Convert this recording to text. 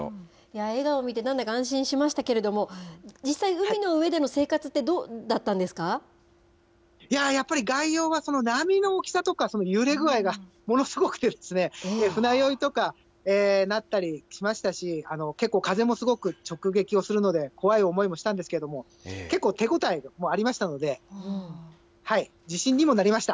笑顔見て、なんだか安心しましたけれども、実際、海の上でのいやぁ、やっぱり外洋は波の大きさとか揺れ具合がものすごくてですね、船酔いとかなったりしましたし、結構風もすごく直撃をするので、怖い思いもしたんですけれども、結構手応えもありましたので、自信にもなりました。